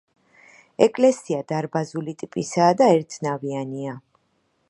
ეკლესია დარბაზული ტიპისაა და ერთნავიანია.